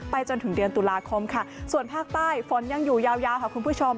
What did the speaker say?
จนถึงเดือนตุลาคมค่ะส่วนภาคใต้ฝนยังอยู่ยาวยาวค่ะคุณผู้ชม